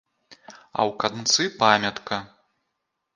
А ў канцы памятка.